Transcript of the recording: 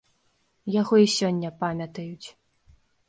Яго і сёння памятаюць.